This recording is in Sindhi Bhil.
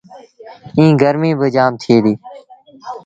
ائيٚݩ گرميٚ با جآم ٿئي ديٚ۔